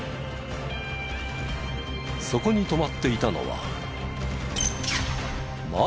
そこに止まっていたのは。